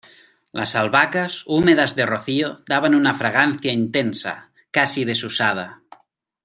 las albahacas, húmedas de rocío , daban una fragancia intensa , casi desusada